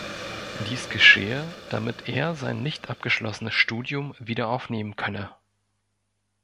Dies geschehe, damit er sein nicht abgeschlossenes Studium wieder aufnehmen könne.